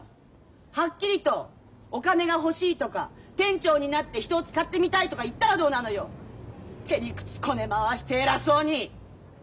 はっきりとお金が欲しいとか店長になって人を使ってみたいとか言ったらどうなのよ！へ理屈こね回して偉そうに！